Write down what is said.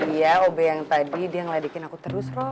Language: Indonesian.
iya obe yang tadi dia ngeladikin aku terus